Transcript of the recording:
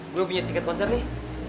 gue punya tiket konser nih